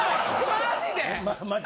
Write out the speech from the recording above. マジで。